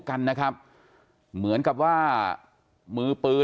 จนกระทั่งหลานชายที่ชื่อสิทธิชัยมั่นคงอายุ๒๙เนี่ยรู้ว่าแม่กลับบ้าน